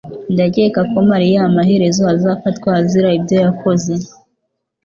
Ndakeka ko mariya amaherezo azafatwa azira ibyo yakoze